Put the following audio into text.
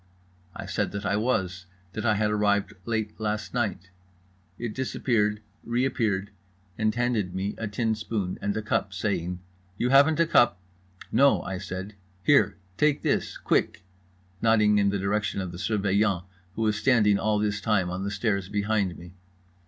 I said that I was, that I had arrived late last night. It disappeared, reappeared, and handed me a tin spoon and cup, saying: "You haven't a cup?"—"No" I said. "Here. Take this. Quick." Nodding in the direction of the Surveillant, who was standing all this time on the stairs behind me.